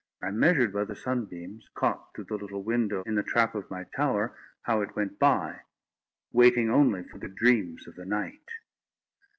I measured by the sunbeams, caught through the little window in the trap of my tower, how it went by, waiting only for the dreams of the night.